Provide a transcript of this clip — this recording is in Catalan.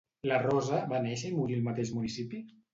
La Rosa va néixer i morir al mateix municipi?